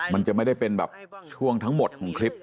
มันจะไม่ได้เป็นแบบช่วงทั้งหมดของคลิป